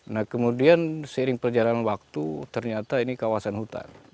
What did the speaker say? nah kemudian seiring perjalanan waktu ternyata ini kawasan hutan